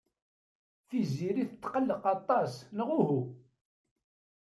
Tiziri tetqelliq aṭas neɣ uhu?